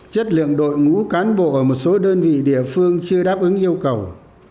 chất lượng đội ngũ cán bộ ở một số đơn vị địa phương chưa đáp ứng yêu cầu